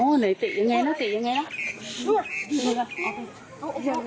โอ้โหไหนติดยังไงนะติดยังไงนะ